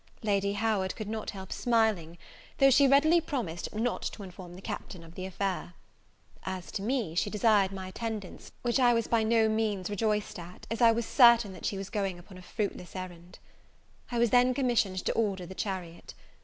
Lady Howard could not help smiling, though she readily promised not to inform the Captain of the affair. As to me, she desired my attendance; which I was by no means rejoiced at, as I was certain that she was going upon a fruitless errand. I was then commissioned to order the chariot.